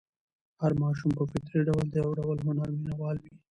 هر ماشوم په فطري ډول د یو ډول هنر مینه وال وي.